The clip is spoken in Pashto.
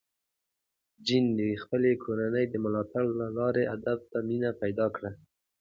جین د خپلې کورنۍ د ملاتړ له لارې ادب ته مینه پیدا کړه.